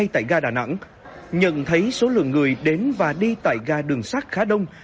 tại đà nẵng nhận thấy số lượng người đến và đi tại gà đường sát khá đông